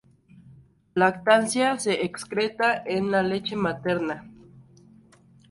Lactancia: se excreta en la leche materna.